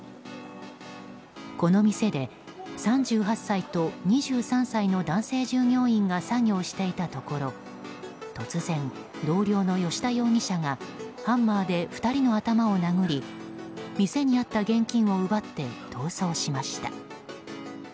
この店で、３８歳と２３歳の男性従業員が作業していたところ突然、同僚の葭田容疑者がハンマーで２人の頭を殴り店にあった現金を奪って逃走しました。